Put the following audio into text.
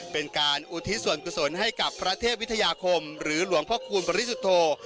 เป็นการอุทิศส่วนกุศลให้กับพระเทพวิทยาคมหรือหลวงพ่อคูณบริสุทธโธ